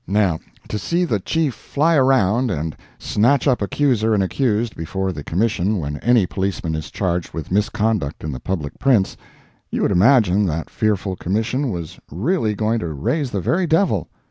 Now to see the Chief fly around and snatch up accuser and accused before the commission when any policeman is charged with misconduct in the public prints, you would imagine that fearful Commission was really going to raise the very devil.